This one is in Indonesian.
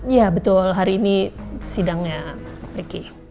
ya betul hari ini sidangnya riki